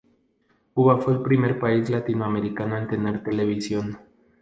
Cuba fue el primer país latinoamericano en tener televisión.